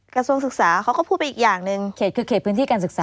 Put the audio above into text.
กระทรวงศึกษาเขาก็พูดไปอีกอย่างหนึ่งเขตคือเขตพื้นที่การศึกษา